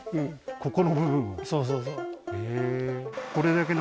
ここの部分を？